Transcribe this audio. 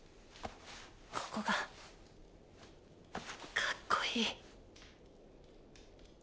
ここがかっこいい。